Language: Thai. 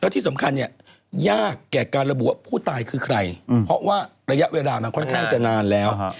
ที่สำคัญเนี่ยยากแก่การระบุว่าผู้ตายคือใครเพราะว่าระยะเวลามันค่อนข้างจะนานแล้ว